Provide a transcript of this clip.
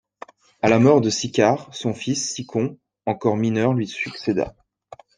À la mort de Sicart, son fils Sicon encore mineur lui succéda.